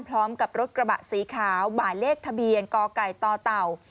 พร้อมกับรถกระบะสีขาวหมายเลขทะเบียนกไก่ต่อเต่า